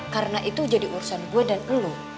karena itu jadi urusan gue dan lo